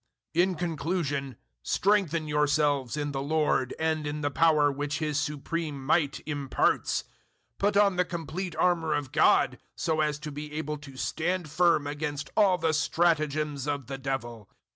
006:010 In conclusion, strengthen yourselves in the Lord and in the power which His supreme might imparts. 006:011 Put on the complete armour of God, so as to be able to stand firm against all the stratagems of the Devil.